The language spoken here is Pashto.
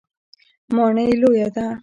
ماڼۍ لویه ده.